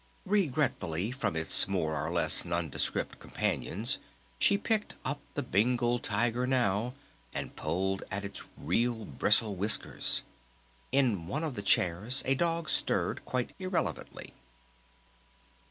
Regretfully from its more or less nondescript companions, she picked up the Bengal Tiger now and pulled at its real, bristle whiskers. In one of the chairs a dog stirred quite irrelevantly.